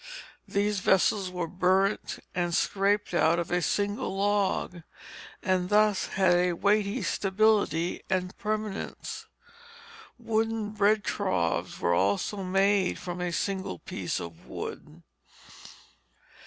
These vessels were burnt and scraped out of a single log, and thus had a weighty stability and permanence. Wooden bread troughs were also made from a single piece of wood.